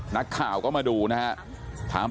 นักข่าวก็มาดูนะฮะ